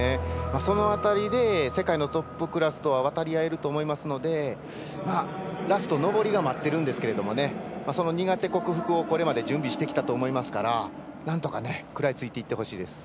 その辺りで世界のトップクラスとは渡り合えると思いますのでラスト上りが待ってるんですけど苦手克服をこれまで準備してきたと思いますからなんとか、食らいついていってほしいですね。